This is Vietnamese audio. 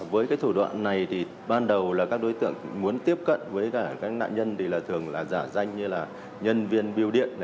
với cái thủ đoạn này thì ban đầu là các đối tượng muốn tiếp cận với cả các nạn nhân thì là thường là giả danh như là nhân viên biêu điện